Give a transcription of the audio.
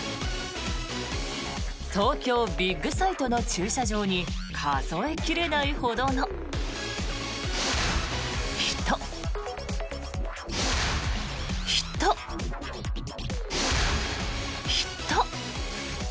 東京ビッグサイトの駐車場に数え切れないほどの人、人、人。